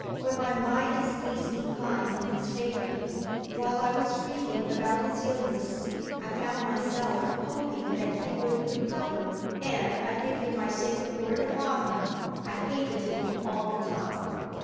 when my mind is least inclined in his favour. While I was reading about his illness, I found myself hoping that he would recover and, I give you my sacred word of honour, I hated him all the time.